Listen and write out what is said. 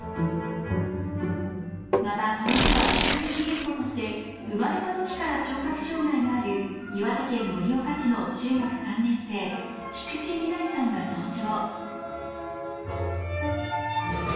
またこの日は特別ゲストとして生まれた時から聴覚障がいがある岩手県盛岡市の中学３年生菊池海麗さんが登場